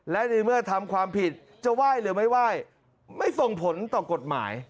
และในเมื่อทำความผิดจะไหว้หรือไม่ไหว้ไม่ส่งผลต่อกฎหมาย